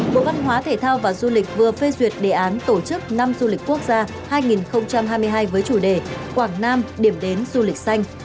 bộ văn hóa thể thao và du lịch vừa phê duyệt đề án tổ chức năm du lịch quốc gia hai nghìn hai mươi hai với chủ đề quảng nam điểm đến du lịch xanh